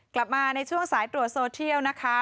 กลับมาในช่วงสายตรวจโซเทียลนะคะ